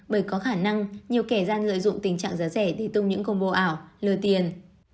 bởi có khả năng nhiều kẻ gian lợi dụng tình trạng giá rẻ đi tung những combo ảo lừa tiền